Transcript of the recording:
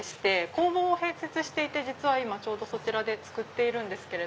工房を併設していて実は今そちらで作っているんです。